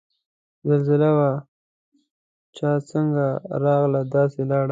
زلزله وه چه څنګ راغله داسے لاړه